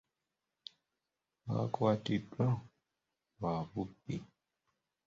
Baakwatiddwa lwa bubbi.